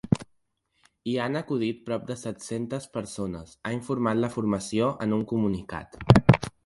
Hi han acudit prop de set-centes persones, ha informat la formació en un comunicat.